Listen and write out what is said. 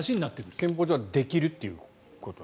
憲法上はできるということなんですね。